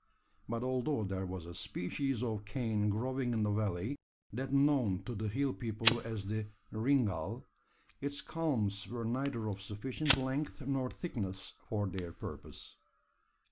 But although there was a species of cane growing in the valley that known to the hill people as the "ringall" its culms were neither of sufficient length nor thickness for their purpose.